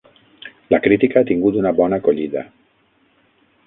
La crítica ha tingut una bona acollida.